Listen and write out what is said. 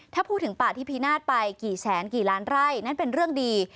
ถ้าพูดถึงป่าที่พินาศไปกี่แสนกี่ล้านไร่นั่นเป็นเรื่องดี